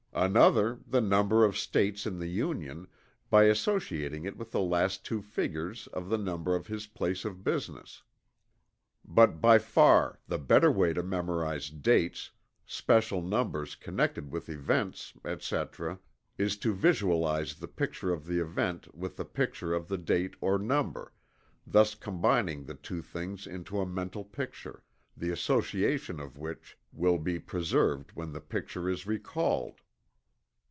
Another, the number of States in the Union, by associating it with the last two figures of the number of his place of business. But by far the better way to memorize dates, special numbers connected with events, etc., is to visualize the picture of the event with the picture of the date or number, thus combining the two things into a mental picture, the association of which will be preserved when the picture is recalled.